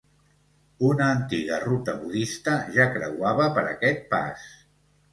Una antiga ruta budista ja creuava per aquest pas.